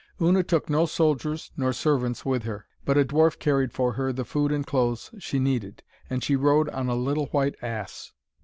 Una took no soldiers nor servants with her, but a dwarf carried for her the food and clothes she needed, and she rode on a little white ass.